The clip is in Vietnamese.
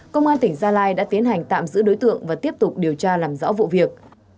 công an tỉnh gia lai đã tiến hành tạm giữ đối tượng và tiếp tục điều tra làm rõ vụ việc